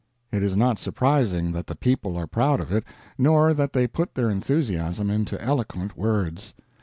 It is not surprising that the people are proud of it, nor that they put their enthusiasm into eloquent words.